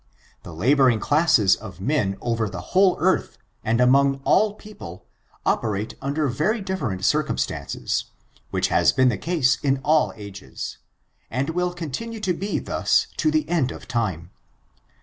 The laboring classes of men over the whole earth, and among all people, operate under very diflerient circumstances, which has been the case in all ages, and will continue to be thus to the end of time.